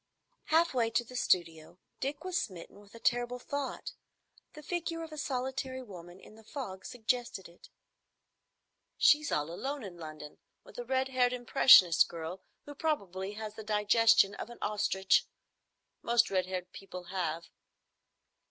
Half way to the studio, Dick was smitten with a terrible thought. The figure of a solitary woman in the fog suggested it. "She's all alone in London, with a red haired impressionist girl, who probably has the digestion of an ostrich. Most red haired people have.